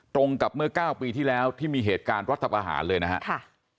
ตรงกับเมื่อเก้าปีที่แล้วที่มีเหตุการณ์รัฐบาหารเลยนะฮะค่ะ